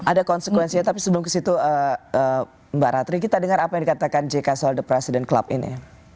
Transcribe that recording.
ada konsekuensinya tapi sebelum ke situ mbak ratri kita dengar apa yang dikatakan jk soal the president club ini